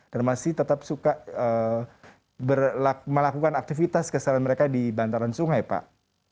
masih tetap suka melakukan aktivitas kesalahan mereka di bantaran sungai pak